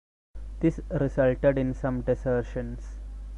This resulted in some desertions.